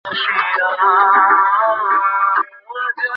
দুই পক্ষের যুক্তি উপস্থাপন শেষ হলে ট্রাইব্যুনাল মামলার রায়ের দিন ধার্য করবেন।